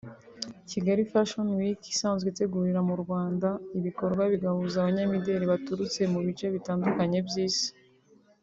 Kigali Fashion Week isanzwe itegurira mu Rwanda ibikorwa bigahuza abanyamideli baturutse mu bice bitandukanye by’Isi